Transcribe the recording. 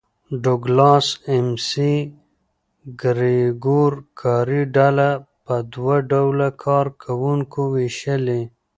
ډوګلاس اېم سي ګرېګور کاري ډله په دوه ډوله کار کوونکو وېشلې.